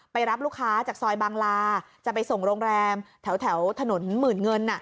รับลูกค้าจากซอยบางลาจะไปส่งโรงแรมแถวถนนหมื่นเงิน